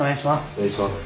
お願いします。